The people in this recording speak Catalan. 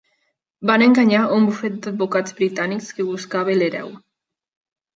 Van enganyar un bufet d'advocats britànic que buscava l'hereu.